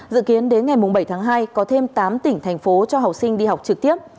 dự kiến đến ngày bảy tháng hai có thêm tám tỉnh thành phố cho học sinh đi học trực tiếp